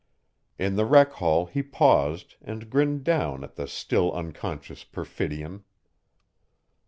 In the rec hall, he paused, and grinned down at the still unconscious Perfidion.